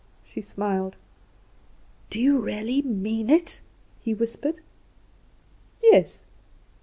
She smiled. "Do you really mean it?" he whispered. "Yes.